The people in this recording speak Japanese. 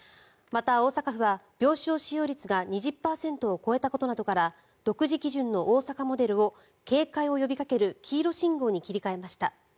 また、大阪府は病床使用率が２０％を超えたことなどから独自基準の大阪モデルを警戒を呼びかける黄色信号に切り替えました。